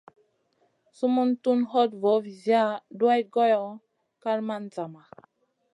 Sumun tun hoɗ voo viziya duwayd goyo, kal man zama.